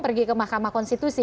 pergi ke mahkamah konstitusi